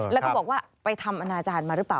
แล้วก็บอกว่าไปทำอนาจารย์มาหรือเปล่า